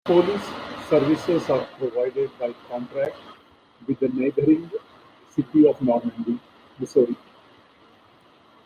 Police services are provided by contract with the neighboring City of Normandy, Missouri.